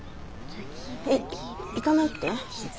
えっ行かないって？